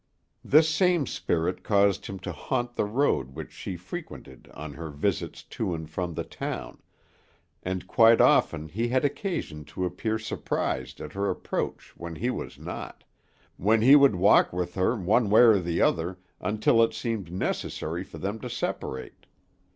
This same spirit caused him to haunt the road which she frequented on her visits to and from the town, and quite often he had occasion to appear surprised at her approach when he was not, when he would walk with her one way or the other until it seemed necessary for them to separate.